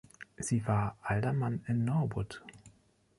Sie war Alderman in Norwood.